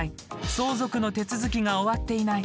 「相続の手続きが終わっていない」。